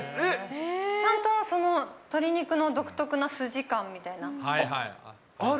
ちゃんと鶏肉の独特な筋感みある？